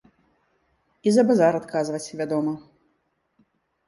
І за базар адказваць, вядома.